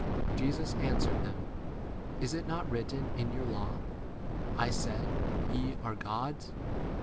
Jesus an swered them, Is it not written in your law, I * said, Ye are gods